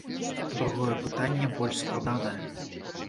Другое пытанне больш складанае.